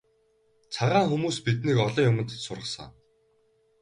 Цагаан хүмүүс биднийг олон юманд сургасан.